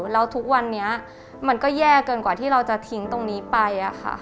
แล้วทุกวันนี้มันก็แย่เกินกว่าที่เราจะทิ้งตรงนี้ไป